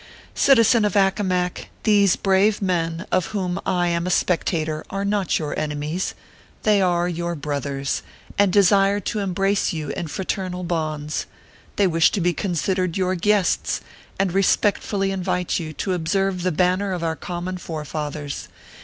Citizen of Accomac ! These brave men, of whom I am a spectator, are not your enemies ; they are your 142 OKPHEUS C. KERR PAPERS. brothers, and desire to embrace you in fraternal bonds. They wish to be considered your guests, and respect fully invite you to observe the banner of our common forefathers.